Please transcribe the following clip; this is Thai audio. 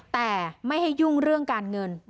แต่ไม่ให้ยุ่งเรื่องการเงิน